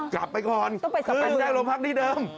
กลับไปก่อนจะไปแจ้งโรงพักที่เดิม